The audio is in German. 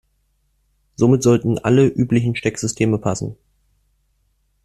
Somit sollten alle üblichen Stecksysteme passen.